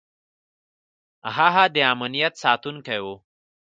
هغه د امنیت ساتونکی و.